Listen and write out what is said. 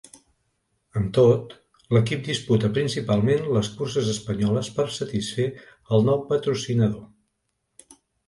Amb tot, l'equip disputa principalment les curses espanyoles per satisfer el nou patrocinador.